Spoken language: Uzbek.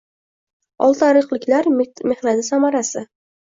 Oltiariqliklar mehnati samarasi